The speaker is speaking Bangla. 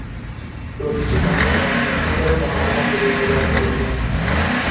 প্রতিটি মহকুমায় একটি করে মহকুমা পুলিশ বিভাগ করেছে।